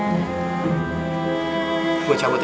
gue cabut ya